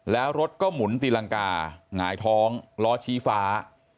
แล้วรถก็หมุนตีรังกาหงายท้องล้อชี้ฟ้า